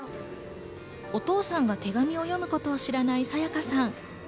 お父さんが手紙を読むことを知らない沙華さん。